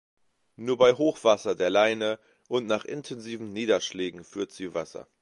Nur bei Hochwasser der Leine und nach intensiven Niederschlägen führt sie Wasser.